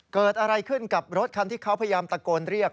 เกิดอะไรขึ้นกับรถคันที่เขาพยายามตะโกนเรียก